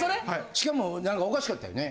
しかも何かおかしかったよね。